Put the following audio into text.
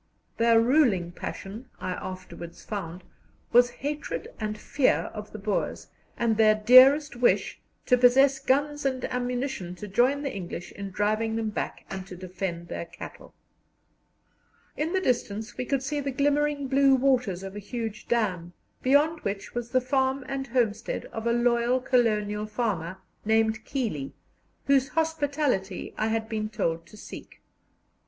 Their ruling passion, I afterwards found, was hatred and fear of the Boers, and their dearest wish to possess guns and ammunition to join the English in driving them back and to defend their cattle. In the distance we could see the glimmering blue waters of a huge dam, beyond which was the farm and homestead of a loyal colonial farmer named Keeley, whose hospitality I had been told to seek.